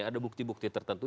ada bukti bukti tertentu